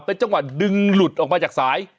เป็นจังหวะดึงหลุดออกมาจากสาย